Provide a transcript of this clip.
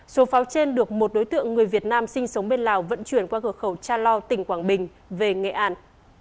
số pháo trên được một đối tượng người việt nam sinh sống bên lào vận chuyển qua cửa khẩu cha lo tỉnh quảng bình về nghệ an